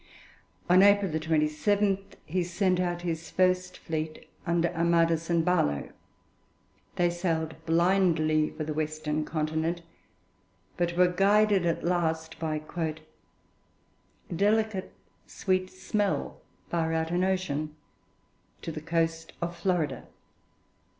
On April 27 he sent out his first fleet under Amidas and Barlow. They sailed blindly for the western continent, but were guided at last by 'a delicate sweet smell' far out in ocean to the coast of Florida.